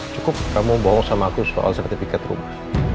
cukup kamu bawa sama aku soal sertifikat rumah